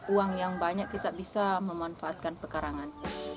uang yang banyak kita bisa memanfaatkan pekarangan